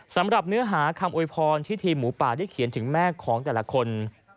สำหรับเนื้อหาคำโวยพรที่ทีมหมูป่าได้เขียนถึงแม่ของแต่ละคน